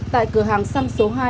tại cửa hàng xăng số hai